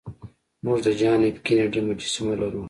موږ د جان ایف کینیډي مجسمه لرو